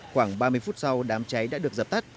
khoảng ba mươi phút sau đám cháy đã được dập tắt